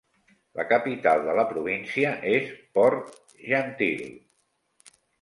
La capital de la província es Port-Gentil.